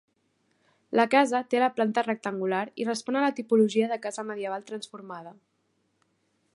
La casa té la planta rectangular i respon a la tipologia de casa medieval transformada.